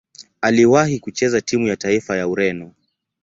Aliwahi kucheza timu ya taifa ya Ureno.